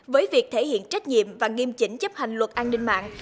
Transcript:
với việc thể hiện trách nhiệm và nghiêm chỉnh chấp hành luật an ninh mạng